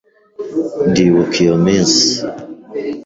Ndibuka iyo minsi.